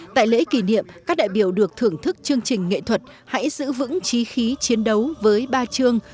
tại lễ kỷ niệm các đại biểu được thưởng thức chương trình nghệ thuật hãy giữ vững trí khí chiến đấu với ba chương